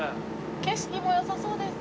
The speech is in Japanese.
景色も良さそうですね。